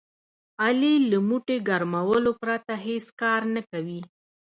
علي له موټي ګرمولو پرته هېڅ کار نه کوي.